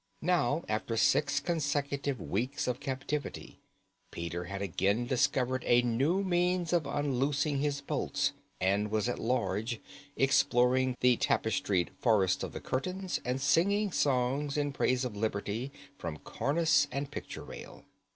Now, after six consecutive weeks of captivity, Peter had again discovered a new means of unloosing his bolts and was at large, exploring the tapestried forests of the curtains and singing songs in praise of liberty from cornice and picture rail.